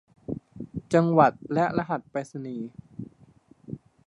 จังหวัดและรหัสไปรษณีย์